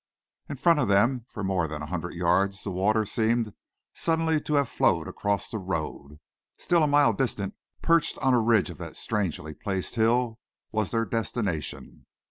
In front of them for more than a hundred yards the water seemed suddenly to have flowed across the road. Still a mile distant, perched on a ridge of that strangely placed hill, was their destination.